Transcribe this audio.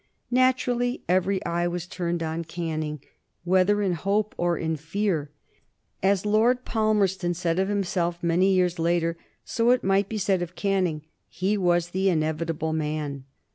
Naturally every eye was turned on Canning, whether in hope or in fear. As Lord Palmerston said of himself many years later, so it might be said of Canning, he was the "inevitable man."